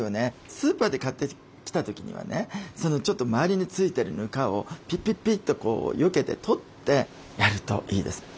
スーパーで買ってきた時にはねちょっと周りに付いてるぬかをピピピッとよけて取ってやるといいです。